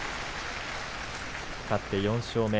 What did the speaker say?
勝って４勝目。